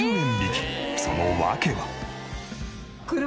その訳は。